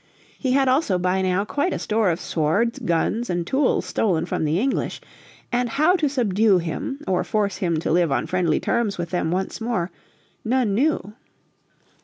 He had also by now quite a store of swords, guns and tools stolen from the English. And how to subdue him, or force him to live on friendly terms with them once more, none knew.